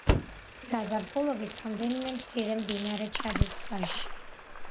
გაზაფხულობით რამდენიმე მცირე მდინარე ჩადის ტბაში.